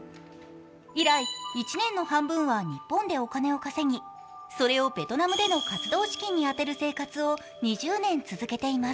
以来１年の半分は日本でお金を稼ぎそれをベトナムでの活動資金に充てる生活を２０年続けています。